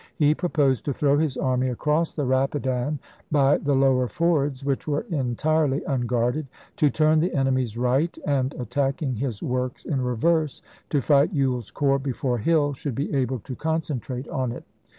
He proposed to throw his army across the Eapidan by the lower fords, which were entirely unguarded, to turn the enemy's right, and, attacking his works in reverse, to fight Ewell's corps before Hill should be able to concentrate on it.